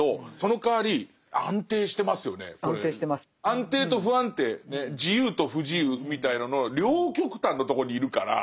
安定と不安定自由と不自由みたいのの両極端のとこにいるから。